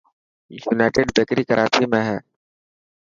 يونائٽڊ بيڪري ڪراچي ۾ هي.